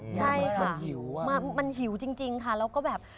ใช่ค่ะมันหิวจริงค่ะแล้วก็แบบ